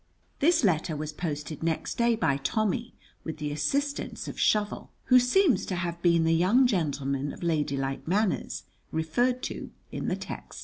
This letter was posted next day by Tommy, with the assistance of Shovel, who seems to have been the young gentleman of ladylike manners referred to in the text.